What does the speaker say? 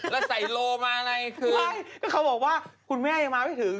แล้วใส่โลมาอะไรคือเขาบอกว่าคุณแม่ยังมาไม่ถึง